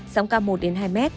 sông cao một hai m